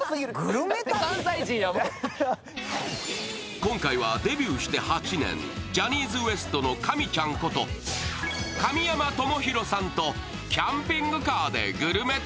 今回はデビューして８年ジャニーズＷＥＳＴの神ちゃんこと神山智洋さんとキャンピングカーでグルメ旅。